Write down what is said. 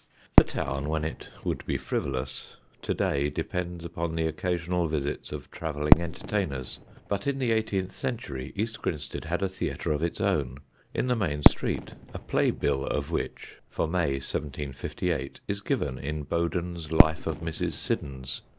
_] The town, when it would be frivolous, to day depends upon the occasional visits of travelling entertainers; but in the eighteenth century East Grinstead had a theatre of its own, in the main street, a play bill of which, for May, 1758, is given in Boaden's Life of Mrs. Siddons.